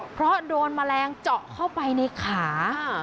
เพราะโดนแมลงเจาะเข้าไปในขา